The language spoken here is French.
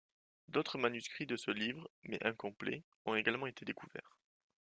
D'autres manuscrits de ce livre, mais incomplets, ont également été découverts.